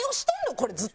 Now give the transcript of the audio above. これずっと。